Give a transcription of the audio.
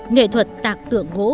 nghệ thuật tạc tượng gỗ